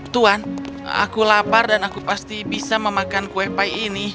tuan aku lapar dan aku pasti bisa memakan kue pie ini